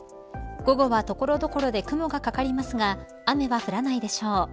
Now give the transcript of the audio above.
午後は所々で雲がかかりますが雨は降らないでしょう。